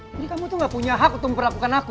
jadi kamu tuh gak punya hak untuk memperlakukan aku